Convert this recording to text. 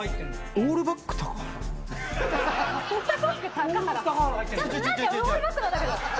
オールバックなんだけど。